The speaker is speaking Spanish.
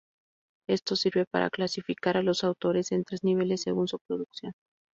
Esto sirve para clasificar a los autores en tres niveles según su producción.